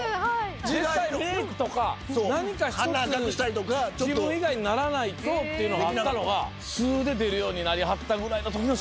絶対メークとか何か１つ自分以外にならないとっていうのがあったのが素で出るようになりはったぐらいのときの志村さん。